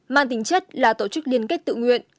mang tính chất là tổ chức liên kết tự nguyện